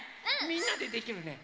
みんなでできるね。